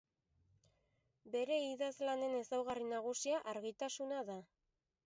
Bere idazlanen ezaugarri nagusia argitasuna da.